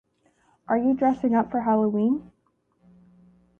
Are you dressing up for Halloween?